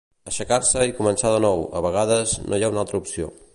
Aixecar-se i començar de nou, a vegades no hi ha una altra opció